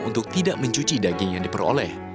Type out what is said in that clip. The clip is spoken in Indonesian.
untuk tidak mencuci daging yang diperoleh